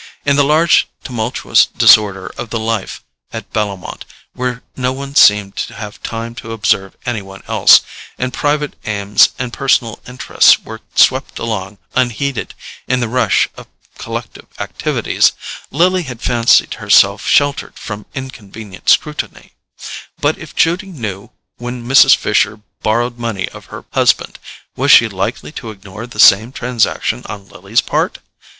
In the large tumultuous disorder of the life at Bellomont, where no one seemed to have time to observe any one else, and private aims and personal interests were swept along unheeded in the rush of collective activities, Lily had fancied herself sheltered from inconvenient scrutiny; but if Judy knew when Mrs. Fisher borrowed money of her husband, was she likely to ignore the same transaction on Lily's part?